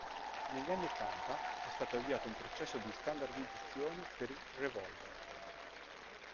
Negli anni ottanta, è stato avviato un processo di standardizzazione per il revolver.